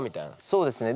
そうですね。